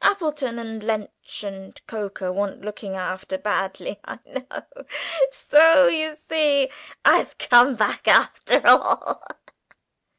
Appleton, and Lench, and Coker want looking after badly, I know. So, you see, I've come back after all."